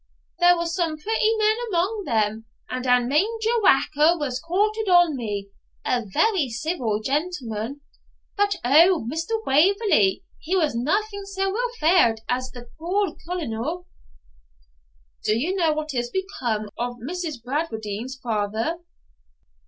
There was some prettymen amang them, and ane Major Whacker was quartered on me, a very ceevil gentleman, but O, Mr. Waverley, he was naething sae weel fa'rd as the puir Colonel.' 'Do you know what is become of Miss Bradwardine's father?'